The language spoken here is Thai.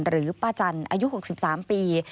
หรือป้าจันทร์อายุ๖๓ปี